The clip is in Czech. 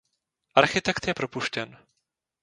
Architekt je propuštěn.